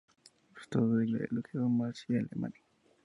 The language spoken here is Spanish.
Sólo resultaron elegidos March y Alemany.